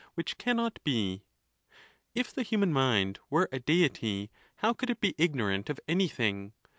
which cannot be. If the liumaii mind were a Deity, how could it be ignorant of any thing?